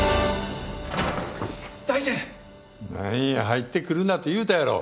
入ってくるなと言うたやろ。